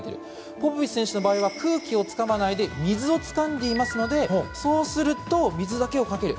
ポポビッチ選手の場合は空気をつかまずに水をつかんでいますのでそうすると水だけをかける。